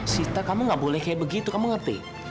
sita kamu gak boleh kayak begitu kamu ngerti